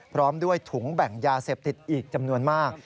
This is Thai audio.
พร้อมด้วยถุงแบ่งยาเสพติดอีกจำนวนมาก